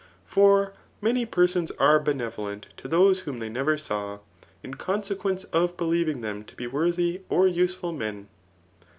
For many persons are benevolent to those whom they never saw, in consequence of believing them to be worthy or useful men.